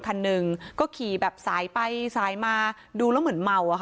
คันหนึ่งก็ขี่แบบสายไปสายมาดูแล้วเหมือนเมาอะค่ะ